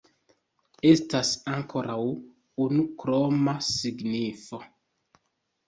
Estas ankoraŭ unu kroma signifo.